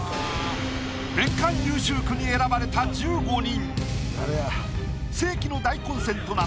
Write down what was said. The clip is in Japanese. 年間優秀句に選ばれた１５人。